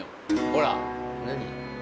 ほら何？